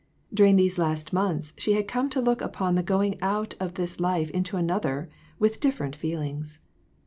During these last months she had come to look . upon the going out of this life into another with different feelings.